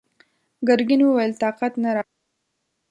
ګرګين وويل: طاقت نه راته!